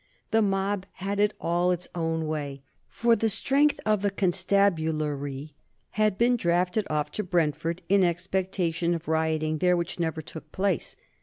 The mob had it all its own way, for the strength of the constabulary had been drafted off to Brentford in expectation of rioting there which never took place.